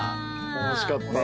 楽しかったです。